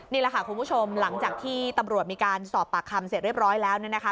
นี่แหละค่ะคุณผู้ชมหลังจากที่ตำรวจมีการสอบปากคำเสร็จเรียบร้อยแล้วเนี่ยนะคะ